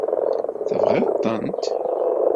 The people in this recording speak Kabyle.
Tebɣiḍ-tent?